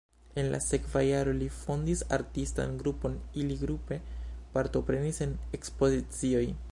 En la sekva jaro li fondis artistan grupon, ili grupe partoprenis en ekspozicioj.